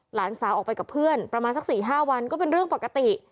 หลานสาวออกไปกับเพื่อนประมาณสัก๔๕วันก็เป็นเรื่องปกติ